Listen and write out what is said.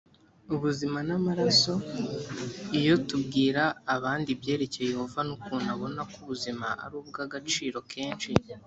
ubuzima n’amaraso iyo tubwira abandi ibyerekeye yehova n’ukuntu abona ko ubuzima ari ubw’agaciro kenshi